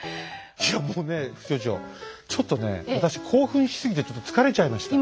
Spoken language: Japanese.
いやもうね副所長ちょっとね私興奮しすぎてちょっと疲れちゃいました。